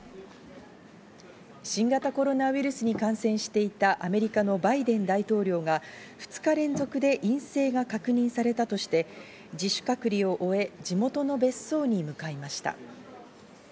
新型コロナウイルスに感染していたアメリカのバイデン大統領が、２日連続で陰性が確認されたとして、自主隔離を終え、地元の別荘に向かいました。